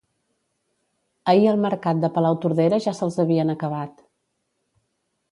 Ahir al mercat de Palautordera ja se'ls havien acabat